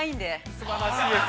◆すばらしいです。